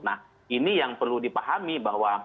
nah ini yang perlu dipahami bahwa